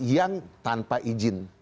yang tanpa izin